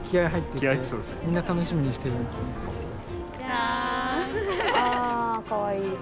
ああかわいい。